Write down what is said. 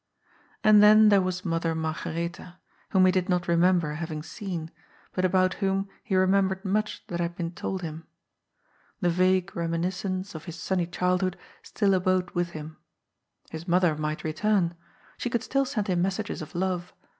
And then there was Mother Margaretha, whom he did not remember having seen, but about whom he remembered much that had been told him. The vague reminiscence of 282 GOD'S FOOL, his sunny childhood still abode with him. His mother might return. She could still send him messages of love.